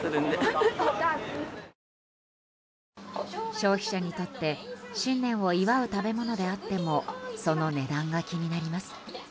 消費者にとって新年を祝う食べ物であってもその値段が気になります。